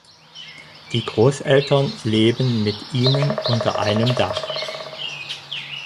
Die Großeltern leben mit ihnen unter einem Dach.